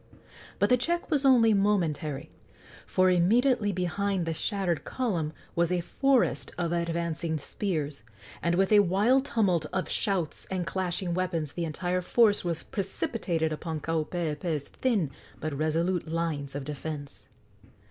But the check was only momentary, for immediately behind the shattered column was a forest of advancing spears, and with a wild tumult of shouts and clashing weapons the entire force was precipitated upon Kaupeepee's thin but resolute lines of defence.